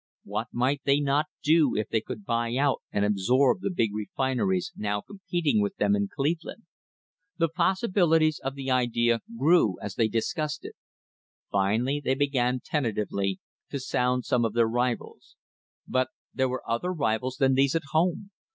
What might they not do if they could buy out and absorb the big refin eries now competing with them in Cleveland? The possi bilities of the idea grew as they discussed it. Finally they began tentatively to sound some of their rivals. But there were other rivals than these at home.